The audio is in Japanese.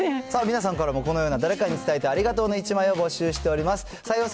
皆さんからもこのような、誰かに伝えたいありがとうの１枚を募集しております。